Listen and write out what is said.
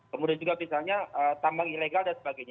kemudian juga misalnya tambang ilegal dan sebagainya